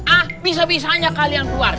ah bisa bisanya kalian keluar